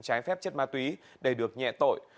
trái phép chất ma túy để được nhẹ tội